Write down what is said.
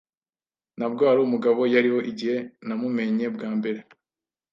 Ntabwo arumugabo yariho igihe namumenye bwa mbere.